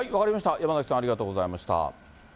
山崎さん、ありがとうございました。